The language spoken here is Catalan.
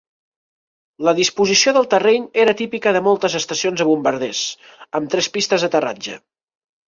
La disposició del terreny era típica de moltes estacions de bombarders, amb tres pistes d'aterratge.